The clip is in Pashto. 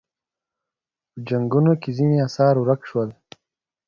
په جنګونو کې ځینې اثار ورک شول